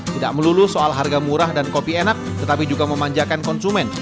tidak melulu soal harga murah dan kopi enak tetapi juga memanjakan konsumen